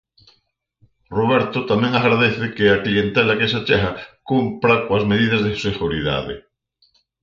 Roberto tamén agradece que a clientela que se achega cumpra coas medidas de seguridade.